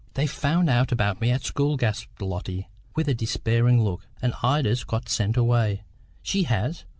"They've found out about me at the school," gasped Lotty, with a despairing look, "and Ida's got sent away." "She has?